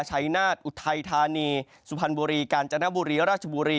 ชัยนาฏอุทัยธานีสุพรรณบุรีกาญจนบุรีราชบุรี